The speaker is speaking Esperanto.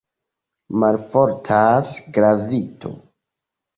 Malfortas gravito!